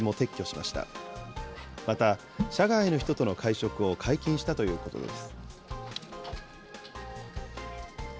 また、社外の人との会食を解禁したということです。